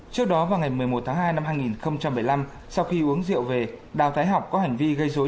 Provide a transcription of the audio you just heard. trước đó vào ngày một mươi một tháng hai năm hai nghìn một mươi năm sau khi uống rượu về đào thái học có hành vi gây dối